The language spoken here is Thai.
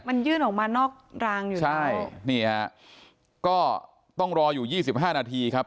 มันยื่นออกมานอกรางอยู่ใช่นี่ฮะก็ต้องรออยู่ยี่สิบห้านาทีครับ